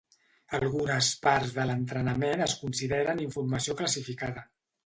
Algunes parts de l'entrenament es consideren informació classificada.